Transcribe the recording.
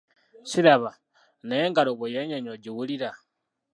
Siraba, naye engalo bwe yeenyeenya ogiwulira.